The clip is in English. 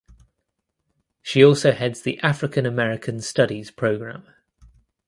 She also heads the African American Studies program.